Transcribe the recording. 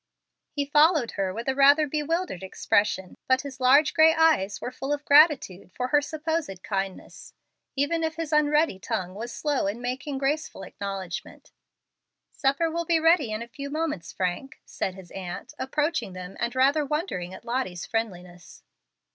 He followed her with a rather bewildered expression, but his large gray eyes were full of gratitude for her supposed kindness, even if his unready tongue was slow in making graceful acknowledgment. "Supper will be ready in a few moments, Frank," said his aunt, approaching them and rather wondering at Lottie's friendliness.